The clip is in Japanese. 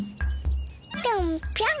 ぴょんぴょん。